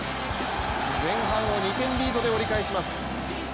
前半を２点リードで折り返します。